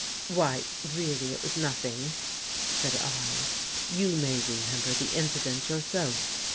" Why, really it was nothing," said I. " You may remember the incident yourself.